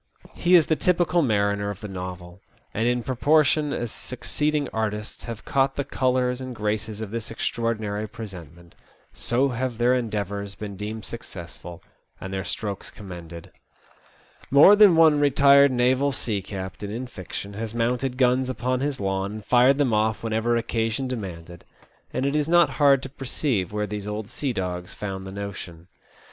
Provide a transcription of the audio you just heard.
He is the typical mariner of the novel, and in proportion as succeeding artists have caught the colours and graces of this extraordinary presentment, so have their endeavours been deemed successful, and their strokes commended. More than 8 no TEE OLD SEA VOG. one retired naval sea captain in fiction has mounted guns upon his lawn and fired them off whenever occasion demanded, and it is not hard to perceive where these old sea dogs found the notion.